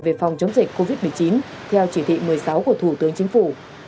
về phòng chống dịch covid một mươi chín theo chỉ thị một mươi sáu của thủ tướng chính phủ